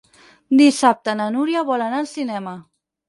Dissabte na Núria vol anar al cinema.